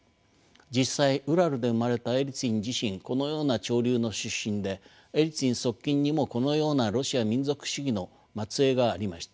実際ウラルで生まれたエリツィン自身このような潮流の出身でエリツィン側近にもこのようなロシア民族主義の末裔がありました。